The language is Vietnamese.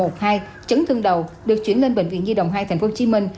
trấn thương đầu được chuyển lên bệnh viện nhi đồng hai tp hcm